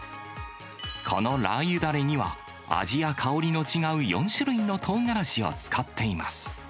このラー油だれには、味や香りの違う４種類のトウガラシを使っています。